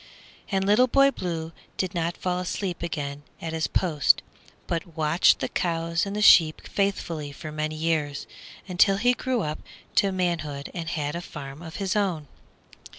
And Little Boy Blue did not fall asleep again at his post, but watched the cows and the sheep faithfully for many years, until he grew up to manhood and had a farm of his own.